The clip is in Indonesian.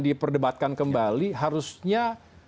diperdebatkan kembali harusnya